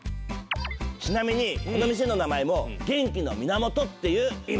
ちなみにこの店の名前も「元気の源」っていう意味だよ。